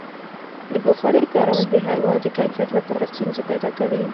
د بخارۍ کارول د هوا د کیفیت لپاره ستونزې پیدا کوي.